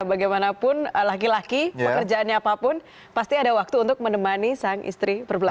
bagaimanapun laki laki pekerjaannya apapun pasti ada waktu untuk menemani sang istri perbelanja